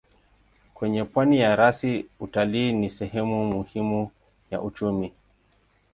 Kwenye pwani ya rasi utalii ni sehemu muhimu ya uchumi.